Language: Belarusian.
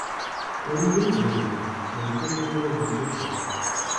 Калі выйгравалі, можна было рабіць усё.